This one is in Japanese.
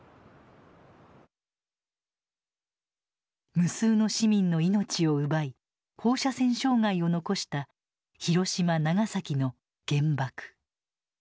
無数の市民の命を奪い放射線障害を残した広島長崎の「原爆」。